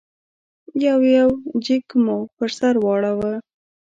یو یو جېک مو پر سر واړاوه.